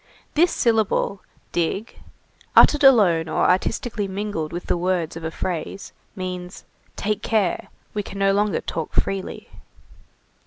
This syllable, dig, uttered alone or artistically mingled with the words of a phrase, means: "Take care, we can no longer talk freely."